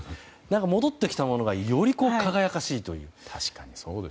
戻ってきたものがより輝かしいという。